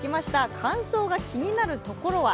乾燥が気になるところは？